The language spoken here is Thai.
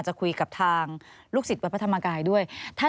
จะคุยกับทางลูกศิษย์วัดพระธรรมกายด้วย